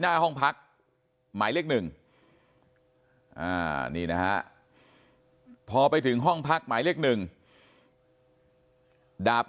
หน้าห้องพักหมายเลข๑นี่นะฮะพอไปถึงห้องพักหมายเลข๑ดาบ